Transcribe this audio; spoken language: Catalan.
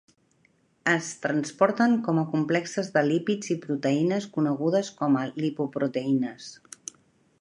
Es transporten com a complexes de lípids i proteïnes conegudes com a lipoproteïnes.